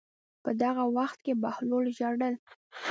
په دغه وخت کې بهلول ژړل.